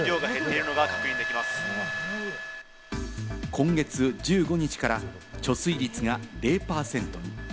今月１５日から貯水率が０％に。